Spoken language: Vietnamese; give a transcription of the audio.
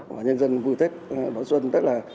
và nhân dân vui tết đón xuân rất là